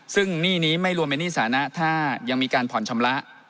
ซึ่งหนี้นี้ไม่รวมเป็นหนี้สานะถ้ายังมีการผ่อนชำระ